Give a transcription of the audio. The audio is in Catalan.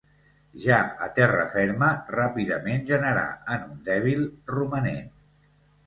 Ja a terra ferma, ràpidament generà en un dèbil romanent.